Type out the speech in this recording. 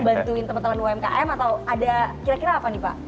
bantuin teman teman umkm atau ada kira kira apa nih pak